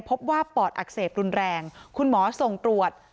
ปอดอักเสบรุนแรงคุณหมอส่งตรวจ